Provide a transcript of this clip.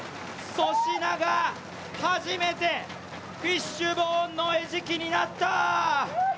粗品が初めてフィッシュボーンの餌食になった。